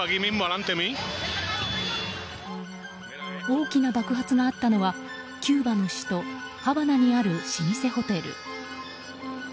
大きな爆発があったのはキューバの首都ハバナにある老舗ホテル。